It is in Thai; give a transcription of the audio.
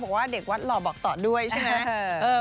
บอกว่าเด็กวัดหล่อบอกต่อด้วยใช่ไหม